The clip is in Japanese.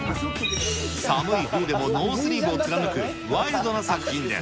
寒い冬でもノースリーブを貫くワイルドな作品です。